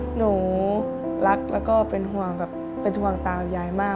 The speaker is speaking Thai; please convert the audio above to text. หนูรักแล้วก็เป็นห่วงตามยายมาก